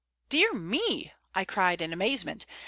"Dear me!" I cried in amazement.